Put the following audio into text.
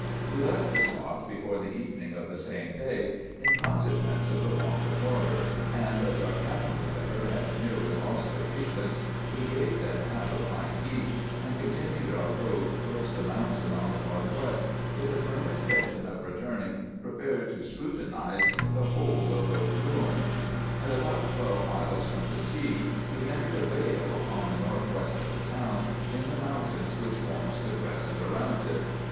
We left the spot before the evening of the same day, in consequence of the want of water ; and, as our camel drivers had nearly lost their patience, we gave them half a pint each, and continued our road towards the mountain on the north west, with the firm inten tion of returning prepared to scrutinize the whole of those ruins. At about twelve miles from the sea we entered a vale, on the north west of the town, in the mountain which forms the crescent round it.